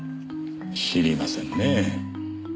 知りませんね。